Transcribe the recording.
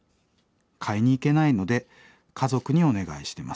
買いに行けないので家族にお願いしてます。